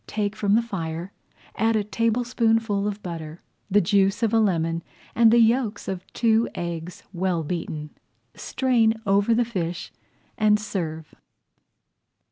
Take from the fire, add a tablespoonful of butter, the juice of a lemon, and the yolks of two eggs well beaten. Strain over the fish and serve.